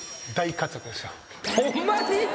ホンマに？